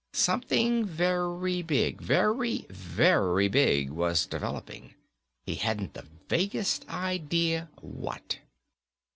Something very big, very, very big, was developing. He hadn't the vaguest idea what.